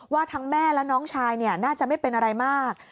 ว่าทั้งแม่และน้องชายน่าจะไม่เป็นอะไรมาก